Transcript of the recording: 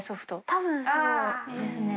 多分そうですね。